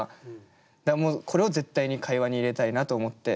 だからもうこれを絶対に会話に入れたいなと思って。